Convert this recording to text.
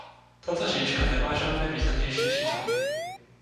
Tato říčka nemá žádné významnější přítoky.